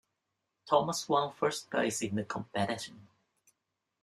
Thomas one first place in the competition.